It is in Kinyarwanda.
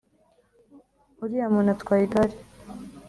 Uriya muntu atwaye igare